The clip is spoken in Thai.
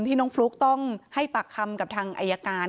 น้องฟลุ๊กต้องให้ปากคำกับทางอายการ